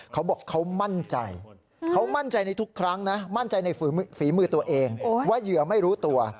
เขาบอกเขามั่นใจเขามั่นใจในทุกครั้งนะมั่นใจในฝีมือตัวเองว่าเหยื่อไม่รู้ตัว